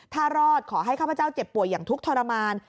ถ้ารอดขอให้ข้าพเจ้าเจ็บป่วยอย่างทุกข์ทรมาน